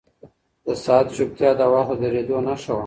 د ساعت چوپتیا د وخت د درېدو نښه وه.